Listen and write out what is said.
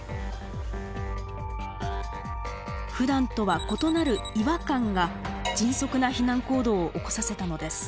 ふだんとは異なる違和感が迅速な避難行動を起こさせたのです。